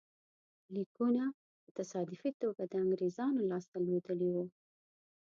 لیکونه په تصادفي توګه د انګرېزانو لاسته لوېدلي وو.